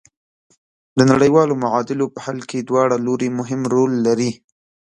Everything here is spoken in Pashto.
د نړیوالو معادلو په حل کې دواړه لوري مهم رول لري.